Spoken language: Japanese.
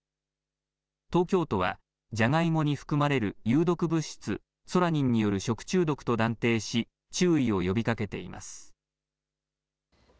東京都はじゃがいもに含まれる有毒物質ソラニンによる食中毒と断定し注意を呼びかけています。